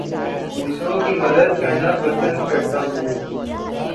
دوسروں کی مدد کرنا پسند کرتا ہوں